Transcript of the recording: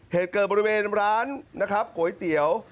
เหตุเกิดบริเวณร้านนะครับก๋วยเตี๋ยว